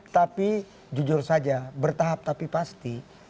tapi jujur saja bertahap tapi pasti